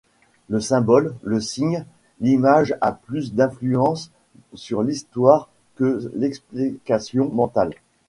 Le symbole, le signe, l'image a plus d'influence sur l'histoire que l'explication mentale.